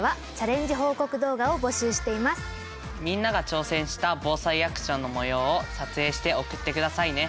みんなが挑戦した「防災アクション」のもようを撮影して送って下さいね。